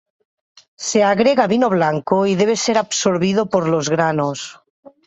Se agrega vino blanco y debe ser absorbido por los granos.